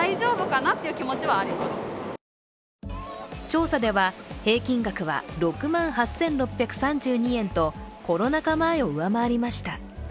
調査では、平均額は６万８６３２円とコロナ禍前を上回りました。